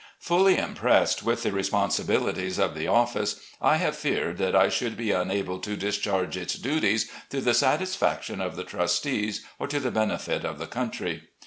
Fully impressed with the responsibilities of the office, I have feared that I should be unable to discharge its duties to the satisfaction of the trustees or to the benefit of the country.